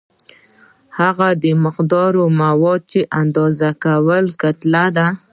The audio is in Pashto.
هغه مقدار مواد چې اندازه کوي کتله ده.